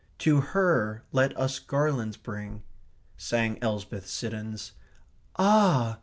To her let us garlands bring," */ sang Elsbeth Siddons. "Ah!"